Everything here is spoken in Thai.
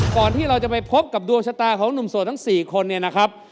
ก่อนที่เราจะไปพบกับดวงชะตาของหนุ่มโสดทั้ง๔คนเนี่ยนะครับ